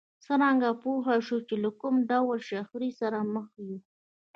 څرنګه پوه شو چې له کوم ډول شخړې سره مخ يو؟